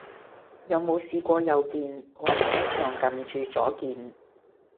有冇試過右鍵，或者長撳住左鍵？